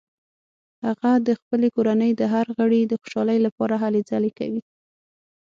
هغه د خپلې کورنۍ د هر غړي د خوشحالۍ لپاره هلې ځلې کوي